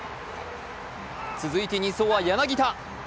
続いて２走は柳田。